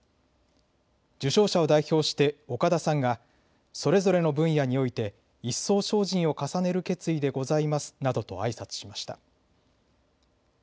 受章者を代表して岡田さんがそれぞれの分野において一層、精進を重ねる決意でございますなどとあいさつしました。